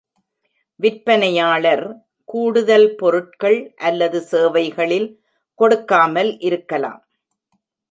விற்பனையாளர், கூடுதல் பொருட்கள் அல்லது சேவைகளில் கொடுக்காமல் இருக்கலாம்.